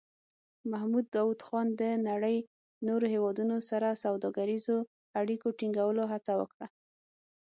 محمد داؤد خان د نړۍ نورو هېوادونو سره سوداګریزو اړیکو ټینګولو هڅه وکړه.